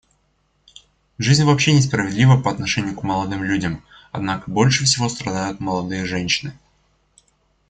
Жизнь вообще несправедлива по отношению к молодым людям, однако больше всего страдают молодые женщины.